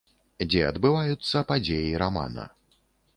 Дзе адбываюцца падзеі рамана.